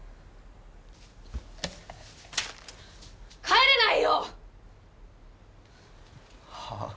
帰れないよ！はあ？